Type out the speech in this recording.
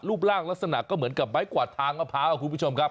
รูปร่างลักษณะก็เหมือนกับไม้กวาดทางมะพร้าวครับคุณผู้ชมครับ